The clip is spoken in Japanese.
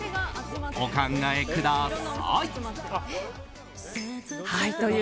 お考えください！